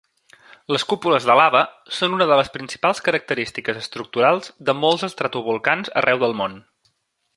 Les cúpules de lava són una de les principals característiques estructurals de molts estratovolcans arreu del món.